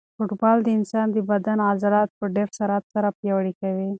فوټبال د انسان د بدن عضلات په ډېر سرعت سره پیاوړي کوي.